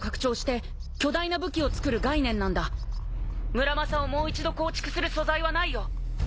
ムラマサをもう一度構築する素材はないよ。